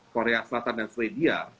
korea selatan dan sweden